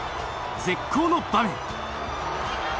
絶好の場面。